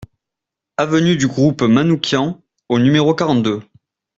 Avenue du Groupe Manouchian au numéro quarante-deux